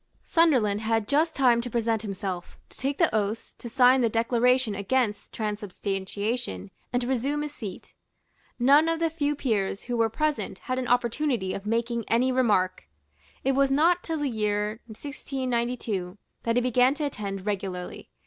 Sunderland had just time to present himself, to take the oaths, to sign the declaration against transubstantiation, and to resume his seat. None of the few peers who were present had an opportunity of making any remark. It was not till the year 1692 that he began to attend regularly.